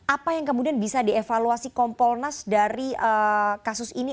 apa yang kemudian bisa dievaluasi kompolnas dari kasus ini